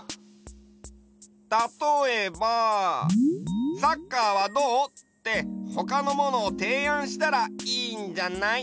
たとえば「サッカーはどう？」ってほかのものをていあんしたらいいんじゃない？